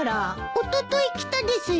おととい来たですよ。